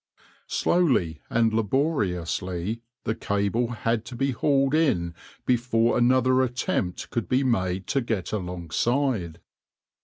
Slowly and laboriously the cable had to be hauled in before another attempt could be made to get alongside.